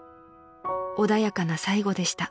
［「穏やかな最期でした」］